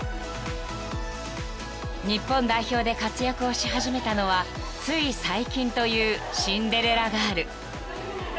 ［日本代表で活躍をし始めたのはつい最近というシンデレラガール］